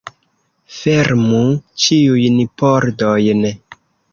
Fermu ĉiujn pordojn!